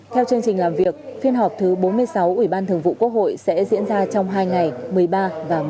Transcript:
theo chương trình làm việc phiên họp thứ bốn mươi sáu ủy ban thường vụ quốc hội sẽ diễn ra trong hai ngày một mươi ba và một mươi hai